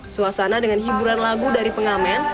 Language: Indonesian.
suasana dengan hiburan lagu dari pengamen